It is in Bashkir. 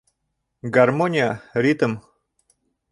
— Гармония, ритм.